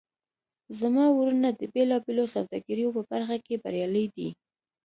زما وروڼه د بیلابیلو سوداګریو په برخه کې بریالي دي